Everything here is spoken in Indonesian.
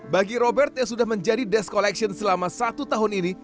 bagi robert yang sudah menjadi desk collection selama satu tahun ini